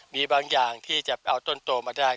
มีบางอย่างที่จะเอาต้นโตมาได้